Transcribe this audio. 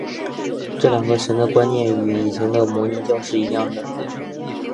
这两个神的观念与以前的摩尼教是一样的。